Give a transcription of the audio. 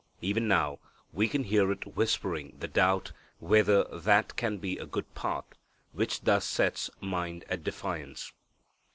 Even now, we can hear it whispering the doubt whether that can be a good path, which thus sets "mind" at defiance.